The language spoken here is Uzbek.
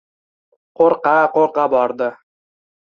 Qo‘rqa-qo‘rqa bordi.